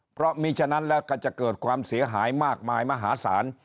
เพราะมีฉะนั้นแล้วก็จะเกิดความเสียหายมากมายมหาศาล